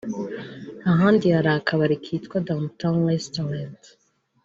ahandi hari akabari kitwa Down town Restaurant